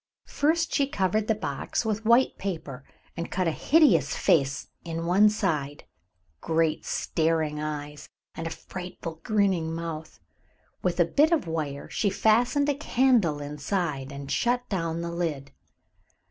First she covered the box with white paper and cut a hideous face in one side, great staring eyes, and a frightful grinning mouth. With a bit of wire she fastened a candle inside and shut down the lid.